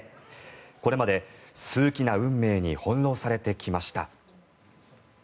これまで、数奇な運命に翻ろうされてきました。